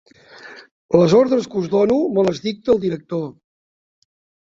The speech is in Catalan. Les ordres que us dono me les dicta el director.